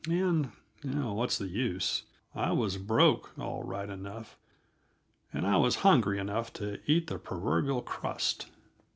And oh, what's the use? I was broke, all right enough, and I was hungry enough to eat the proverbial crust.